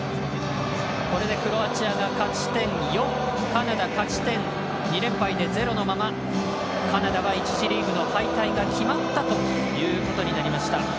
これでクロアチアが勝ち点４カナダ、勝ち点２連敗で０のままカナダは１次リーグの敗退が決まったということになりました。